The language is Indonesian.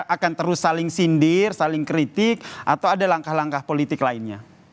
akan terus saling sindir saling kritik atau ada langkah langkah politik lainnya